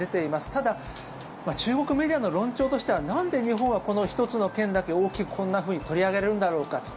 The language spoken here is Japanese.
ただ中国メディアの論調としてはなんで日本は、この１つの件だけ大きくこんなふうに取り上げるんだろうかと。